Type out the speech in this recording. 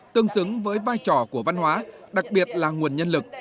tương xứng với vai trò của văn hóa đặc biệt là nguồn nhân lực